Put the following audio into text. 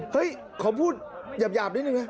เฮ้ยขอพูดหยาบนิดหนึ่ง